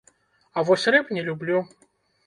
А вось рэп не люблю.